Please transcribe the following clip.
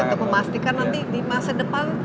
untuk memastikan nanti di masa depan